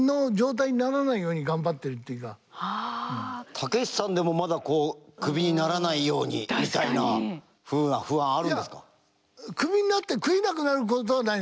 たけしさんでもまだこうクビにならないようにみたいなふうな不安あるんですか？